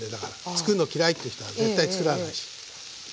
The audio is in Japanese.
つくるの嫌いっていう人は絶対つくらないし。